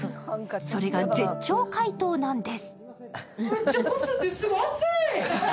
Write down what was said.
それが絶頂解凍なんです。